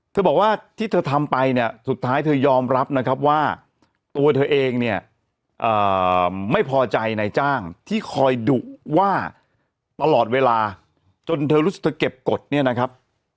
เธอบอกว่าที่เธอทำไปเนี่ยสุดท้ายเธอยอมรับนะครับว่าตัวเธอเองเนี่ยไม่พอใจนายจ้างที่คอยดุว่าตลอดเวลาจนเธอรู้สึกเธอเก็บกฎเนี่ยนะครับ